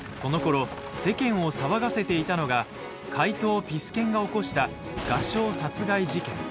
そのころ世間を騒がせていたのが怪盗ピス健が起こした画商殺害事件。